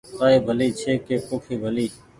رآئي ڀلي ڇي ڪي پوکي ڀلي